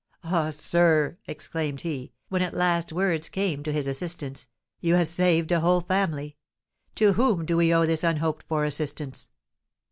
"Ah, sir," exclaimed he, when at last words came to his assistance, "you have saved a whole family! To whom do we owe this unhoped for assistance?"